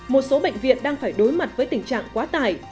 một số bệnh viện đang phải đối mặt với tình trạng quá tải